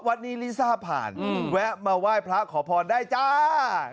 วัดนี้ลิซ่าผ่านแวะมาไหว้พระขอพรได้จ้า